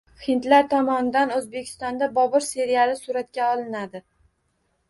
Hindlar tomonidan O‘zbekistonda “Bobur” seriali suratga olinadi